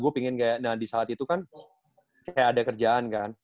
gue pengen kayak di saat itu kan kayak ada kerjaan kan